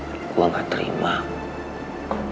kita diskor sampai satu bulan